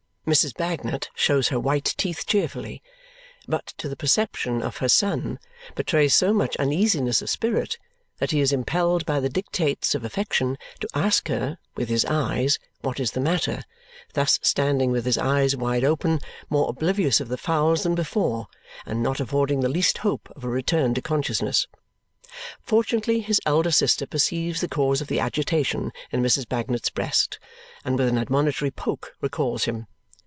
Mrs. Bagnet shows her white teeth cheerfully, but to the perception of her son, betrays so much uneasiness of spirit that he is impelled by the dictates of affection to ask her, with his eyes, what is the matter, thus standing, with his eyes wide open, more oblivious of the fowls than before, and not affording the least hope of a return to consciousness. Fortunately his elder sister perceives the cause of the agitation in Mrs. Bagnet's breast and with an admonitory poke recalls him.